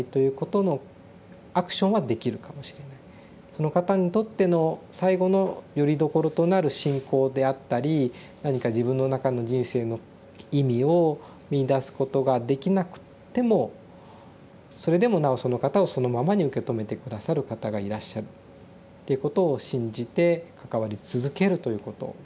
その方にとっての最後のよりどころとなる信仰であったり何か自分の中の人生の意味を見いだすことができなくってもそれでもなおその方をそのままに受け止めて下さる方がいらっしゃるっていうことを信じて関わり続けるということですね。